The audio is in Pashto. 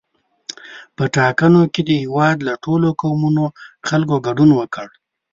په ټاکنو کې د هېواد له ټولو قومونو خلکو ګډون وکړ.